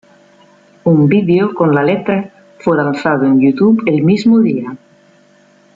Un video con la letra fue lanzado en YouTube el mismo día.